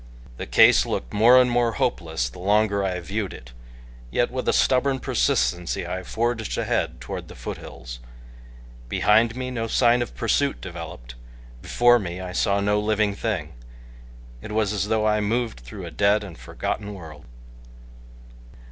The case looked more and more hopeless the longer I viewed it, yet with a stubborn persistency I forged ahead toward the foothills. Behind me no sign of pursuit developed, before me I saw no living thing. It was as though I moved through a dead and forgotten world.